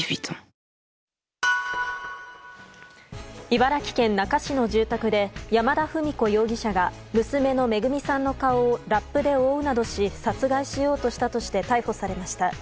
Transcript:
茨城県那珂市の住宅で山田史子容疑者が娘のめぐみさんの顔をラップで覆うなどし殺害しようとしたとして逮捕されました。